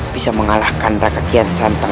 bisa mengalahkan raja kiansantan